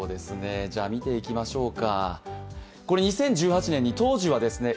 見ていきましょうか。